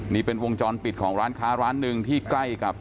นี่เป็นวงจรปิดของร้านค้าร้านหนึ่งที่ใกล้กับ